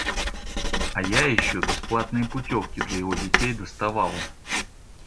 А я еще бесплатные путевки для его детей доставала!